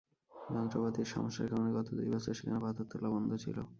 যন্ত্রপাতির সমস্যার কারণে গত দুই বছর সেখানে পাথর তোলা বন্ধ ছিল।